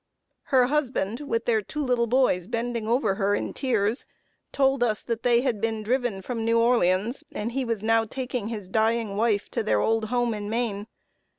Her husband, with their two little boys bending over her in tears, told us that they had been driven from New Orleans, and he was now taking his dying wife to their old home in Maine.